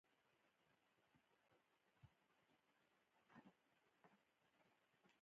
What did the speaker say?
افغانستان د خپل مورغاب سیند یو ښه کوربه دی.